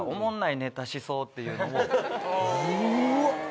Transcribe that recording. うわっ。